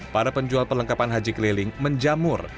para penjual perlengkapan haji keliling menjamur